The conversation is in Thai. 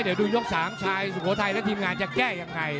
เดี๋ยวดูยก๓ชายสุโขทัยและทีมงานจะแก้ยังไง